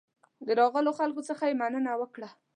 د راغلو خلکو څخه یې مننه وکړه.